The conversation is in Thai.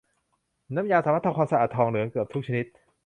น้ำยาสามารถทำความสะอาดทองเหลืองเกือบทุกชนิด